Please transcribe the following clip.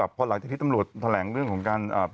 พอหลังจากที่ตำรวจแถลงเรื่องการติดสำนวนตรงนั้นไป